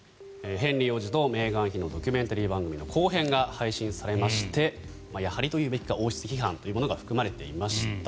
ヘンリー王子とメーガン妃のドキュメンタリー番組の後編が配信されましてやはりというべきか王室批判というものが含まれていました。